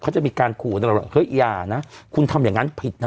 เขาจะมีการขูดเราหึยอย่านะคุณทำอย่างงั้นผิดนะ